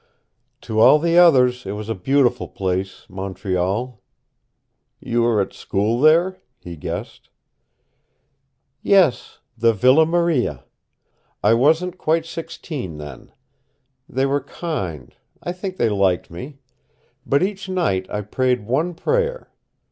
"To all the others it was a beautiful place, Montreal." "You were at school there?" he guessed. "Yes, the Villa Maria. I wasn't quite sixteen then. They were kind. I think they liked me. But each night I prayed one prayer.